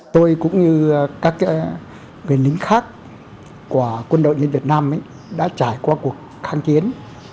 tôi cũng như các người lính khác của quân đội dân việt nam đã trải qua cuộc kháng kiến